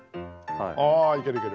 ああいけるいける。